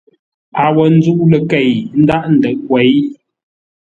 A wô nzə́u ləkei ńdághʼ ńdə̌ʼ wěi.